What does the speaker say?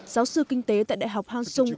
giáo sư kinh tế tại đại học hang sung